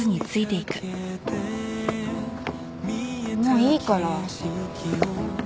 もういいから。